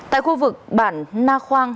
tại khu vực bản na khoang